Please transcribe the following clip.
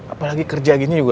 apalagi kerja seperti ini juga